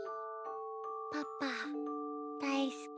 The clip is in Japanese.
パパだいすき。